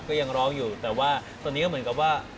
ก็ยังร้องอยู่แต่ว่าตอนนี้ก็เหมือนกับว่า